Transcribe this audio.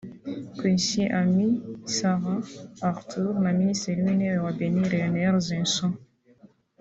Kwesi Amissah-Arthur na Minisitiri w’Intebe wa Benin Lionel Zinsou